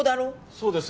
そうです！